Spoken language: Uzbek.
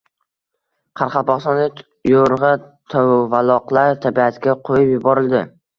Qoraqalpog‘istonda yo‘rg‘a tuvaloqlar tabiatga qo‘yib yuborildi